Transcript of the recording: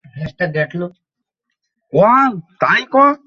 Toner আপনার মুখে ময়লা এবং তেল গোড়া থেকে তুলে দিতে সাহায্য করবে।